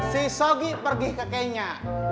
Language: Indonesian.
si sogi pergi ke kenya